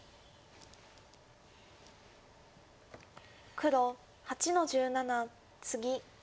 黒８の十七ツギ。